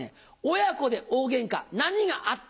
「親子で大ゲンカ何があった？」